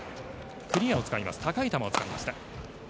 クリアを使います高い球を使いました。